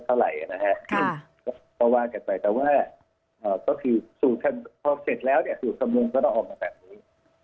เพราะว่าจะไปแต่ว่าสูตรคำนวณก็ต้องออกมาแบบนี้